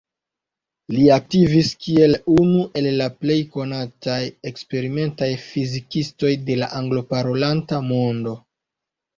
Li aktivis kiel unu el la plej konataj eksperimentaj fizikistoj de la anglo-parolanta mondo.